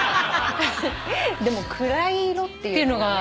でも「暗い色」っていうのがね。